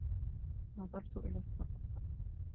نظرت إلى السّقف.